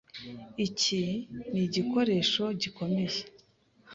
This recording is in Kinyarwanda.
Iki nigikoresho gikomeye.